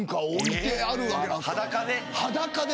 裸で。